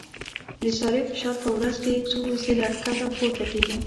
د سارې فشار په ورځ کې څو ځله ښکته پورته کېږي.